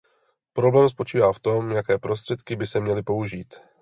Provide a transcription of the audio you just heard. Problém spočívá v tom, jaké prostředky by se měly použít.